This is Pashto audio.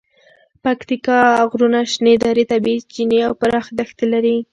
پکتیکا غرونه، شنې درې، طبیعي چینې او پراخې دښتې لري.